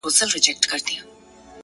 • بل به څوک وي پر دنیا تر ما ښاغلی ,